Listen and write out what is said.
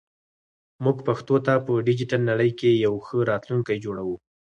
موږ پښتو ته په ډیجیټل نړۍ کې یو ښه راتلونکی جوړوو.